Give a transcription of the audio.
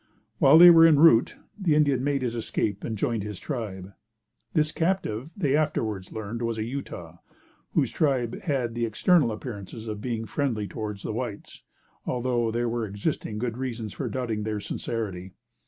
While they were en route, the Indian made his escape and joined his tribe. This captive they afterwards learned was a Utah, whose tribe had the external appearance of being friendly towards the whites, although there were existing good reasons for doubting their sincerity.